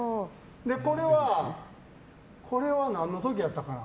これは何の時やったかな。